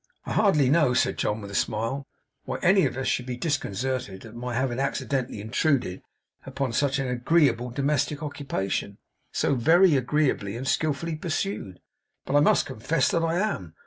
I hardly know,' said John, with a smile, 'why any of us should be disconcerted at my having accidentally intruded upon such an agreeable domestic occupation, so very agreeably and skillfully pursued; but I must confess that I am.